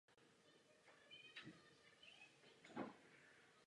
Je autorem třech knih a množství článků.